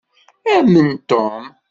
Amen Tom.